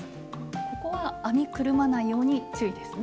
ここは編みくるまないように注意ですね。